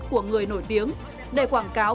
của người nổi tiếng để quảng cáo